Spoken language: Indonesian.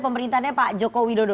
pemerintahnya pak joko widodo